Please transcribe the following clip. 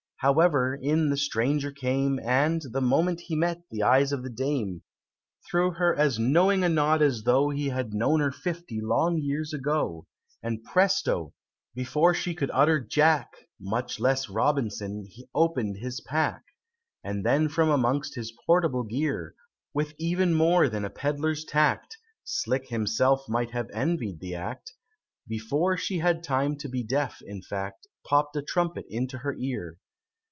However, in the stranger came, And, the moment he met the eyes of the Dame, Threw her as knowing a nod as though He had known her fifty long years ago; And presto! before she could utter "Jack" Much less "Robinson" open'd his pack And then from amongst his portable gear, With even more than a Pedlar's tact, (Slick himself might have envied the act) Before she had time to be deaf, in fact Popp'd a Trumpet into her ear.